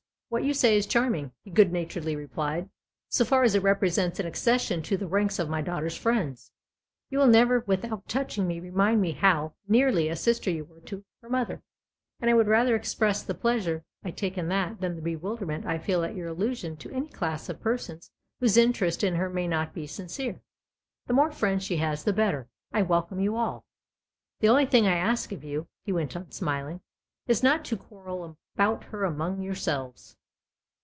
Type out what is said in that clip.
" What you say is charming," he good naturedly replied, " so far as it represents an accession to the ranks of my daughter's friends. You will never without touching me remind me how nearly a sister you were to her mother ; and I would rather express the pleasure I take in that than the bewilderment I feel at your allusion to any class of persons whose interest in her may not be sincere. The more friends she has, the better I welcome you all. The only thing I ask of you," he went on, smiling, <; is not to quarrel about her among yourselves."